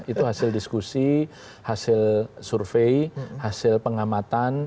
itu hasil diskusi hasil survei hasil pengamatan